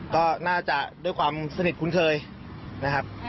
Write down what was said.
ก็น่าจะด้วยความสนิทคุ้นเคยนะครับ